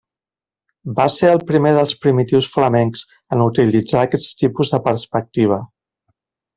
Va ser el primer dels primitius flamencs en utilitzar aquest tipus de perspectiva.